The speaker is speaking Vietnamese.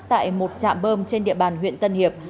tại một trạm bơm trên địa bàn huyện tân hiệp